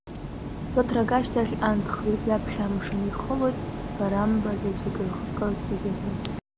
Ԥыҭрак ашьҭахь анҭ хҩык ҩаԥхьа амшын ихылоит, барамба заҵәык ркырц азыҳәан…